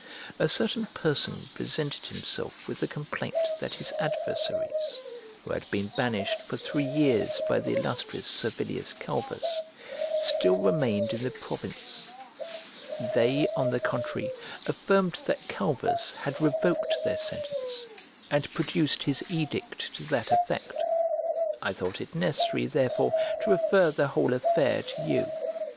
A certain person presented himself with a complaint that his adversaries, who had been banished for three years by the illustrious Servilius Calvus, still remained in the province: they, on the contrary, affirmed that Calvus had revoked their sentence, and produced his edict to that effect. I thought it necessary therefore to refer the whole affair to you.